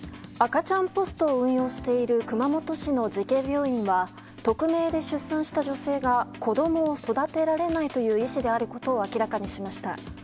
赤ちゃんポストを運用している熊本市の慈恵病院は匿名で出産した女性が子供を育てられないという意思であることを明らかにしました。